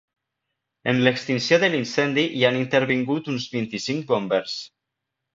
En l’extinció de l’incendi hi han intervingut uns vint-i-cinc bombers.